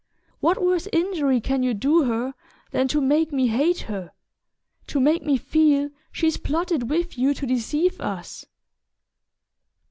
What worse injury can you do her than to make me hate her to make me feel she's plotted with you to deceive us?"